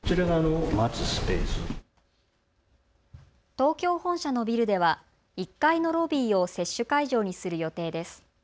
東京本社のビルでは１階のロビーを接種会場にする予定です。